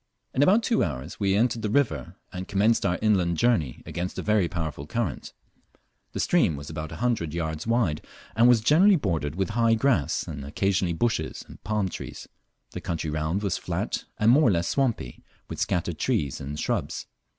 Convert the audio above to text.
In about two hours we entered the river, and commenced our inland journey against a very powerful current. The stream was about a hundred yards wide, and was generally bordered with high grass, and occasionally bushes and palm trees. The country round was flat and more or less swampy, with scattered trees and shrubs.